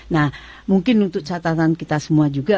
nah mungkin untuk catatan kita semua juga